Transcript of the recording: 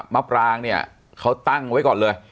มะปรางเนี่ยเขาตั้งไว้ก่อนเลย